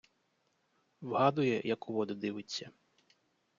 Вгадує, як у воду дивиться.